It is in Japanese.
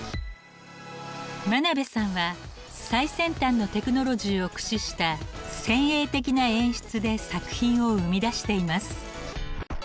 真鍋さんは最先端のテクノロジーを駆使した先鋭的な演出で作品を生み出しています。